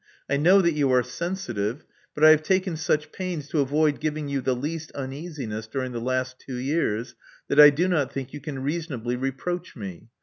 I know that you are sensitive; but I have taken such pains to avoid giving you the least uneasiness during the last two years that I do not think you can reasonably reproach me.